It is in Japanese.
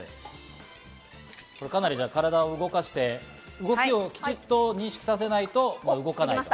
かなり体を動かして動きをきちっと認識させないと動かない。